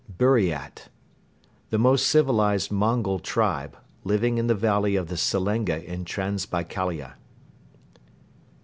Buriat. The most civilized Mongol tribe, living in the valley of the Selenga in Transbaikalia.